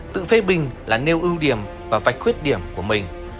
tự phê bình là nêu ưu điểm và vạch khuyết điểm của mình